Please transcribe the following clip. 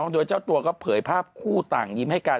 โดยเจ้าตัวก็เผยภาพคู่ต่างยิ้มให้กัน